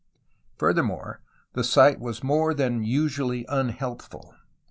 Furthermore, the site was more than usually unhealthful.